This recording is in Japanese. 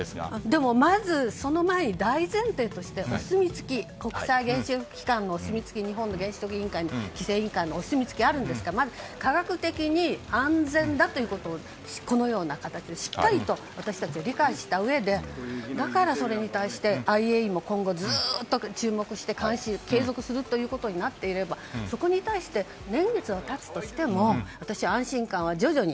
でも、まずその前に大前提として国際原子力機関のお墨付きそれに日本原子力規制委員会のお墨付きがあるんですからまだ科学的に安全だということをこのような形でしっかり私たちが理解したうえでだから、それに対してＩＡＥＡも、今後ずっと注目して監視を継続するということになっていればそこに対して年月は経つとしても私、安心感は徐々に。